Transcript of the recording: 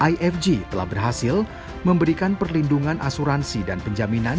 ifg telah berhasil memberikan perlindungan asuransi dan penjaminan